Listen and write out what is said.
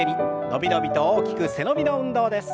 伸び伸びと大きく背伸びの運動です。